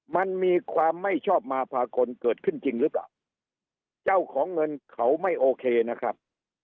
มันมีความไม่ชอบมาพากลเกิดขึ้นจริงหรือเปล่าเจ้าของเงินเขาไม่โอเคนะครับ